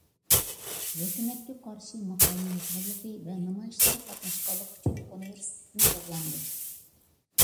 ھۆكۈمەتكە قارشى ماقالە يازغانلىقى ۋە نامايىشلارغا قاتناشقانلىقى ئۈچۈن ئۇنىۋېرسىتېتتىن قوغلاندى.